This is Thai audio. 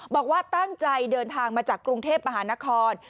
บอกว่าตั้งใจเดินทางมาจากกรุงเทพมหานคร